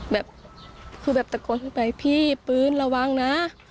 แบบคือแบบตะโกนขึ้นไปพี่ปืนระวังนะ